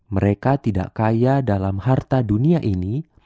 mereka tidak kaya dalam harta dunia ini